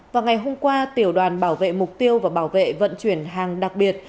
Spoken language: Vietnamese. vào ngày hôm qua tiểu đoàn bảo vệ mục tiêu và bảo vệ vận chuyển hàng đặc biệt